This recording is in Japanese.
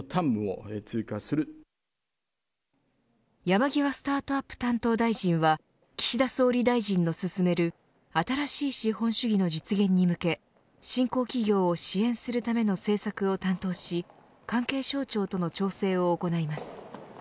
山際スタートアップ担当大臣は岸田総理大臣の進める新しい資本主義の実現に向け新興企業を支援するための政策を担当し関係省庁との調整を行います。